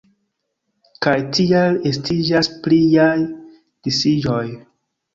Kaj tial estiĝas pliaj disiĝoj.